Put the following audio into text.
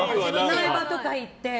苗場とか行って。